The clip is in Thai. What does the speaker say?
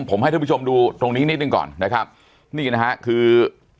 ผมให้ทุกผู้ชมดูตรงนี้นิดหนึ่งก่อนนะครับนี่นะฮะคือ